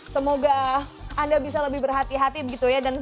semoga anda bisa lebih berhati hati begitu ya